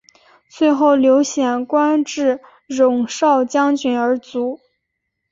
最后刘显官至戎昭将军而卒。